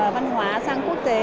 văn hóa sang quốc tế